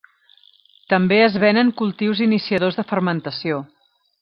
També es venen cultius iniciadors de fermentació.